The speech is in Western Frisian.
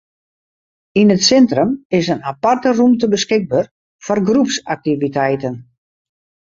Yn it sintrum is in aparte rûmte beskikber foar groepsaktiviteiten.